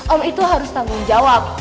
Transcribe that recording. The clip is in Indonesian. om itu harus tanggung jawab